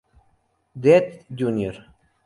Death Jr.